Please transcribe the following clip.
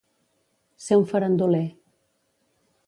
Ser un faranduler.